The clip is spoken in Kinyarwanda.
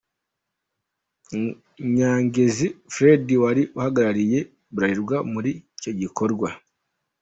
Nyagezi Freddy wari uhagarariye Bralirwa muri iki gikorwa.